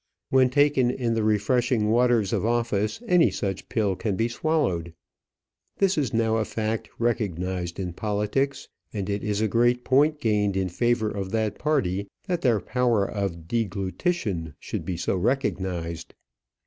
When taken in the refreshing waters of office any such pill can be swallowed. This is now a fact recognized in politics; and it is a great point gained in favour of that party that their power of deglutition should be so recognized.